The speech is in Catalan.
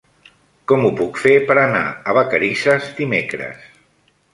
Com ho puc fer per anar a Vacarisses dimecres?